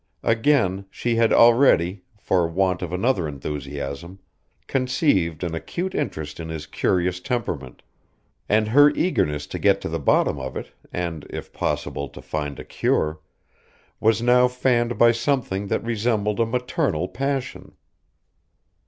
Again, she had already, for want of another enthusiasm, conceived an acute interest in his curious temperament, and her eagerness to get to the bottom of it, and, if possible, to find a cure, was now fanned by something that resembled a maternal passion.